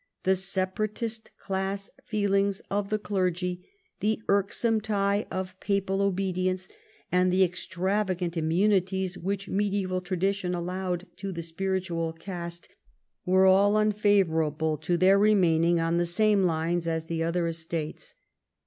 The separatist class feelings of the clergy, the irksome tie of paj)al obedience, and the extravagant immunities which mediaeval tradi tion allowed to the spiritual caste, were all unfavourable to their remaining on the same lines as the other estates.